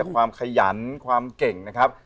ความขยันความเก่งนะครับ